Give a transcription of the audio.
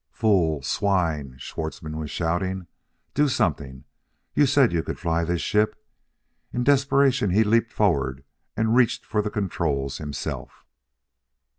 "Fool! Swine!" Schwartzmann was shouting. "Do something! You said you could fly this ship!" In desperation he leaped forward and reached for the controls himself.